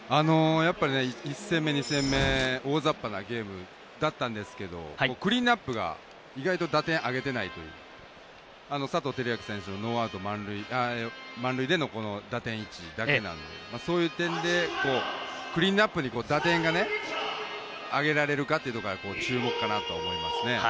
１戦目、２戦目、大ざっぱなゲームだったんですけど、クリーンナップが意外と打点を挙げていない佐藤輝明選手の満塁での打点１だけなんで、そういう点で、クリーンアップに打点があげられるかというところが注目かなとは思いますね。